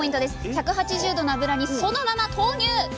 １８０℃の油にそのまま投入！